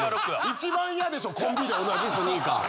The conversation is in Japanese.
一番イヤでしょコンビで同じスニーカー。